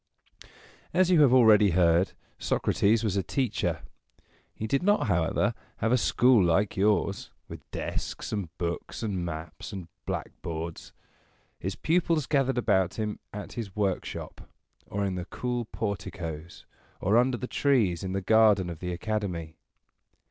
As you have already heard, Socrates was a teacher. He did not, however, have a school like yours, with desks, and books, and maps, and blackboards. His pupils gathered about him at his workshop, or in the cool porticoes, or under the trees in the garden of the Academy.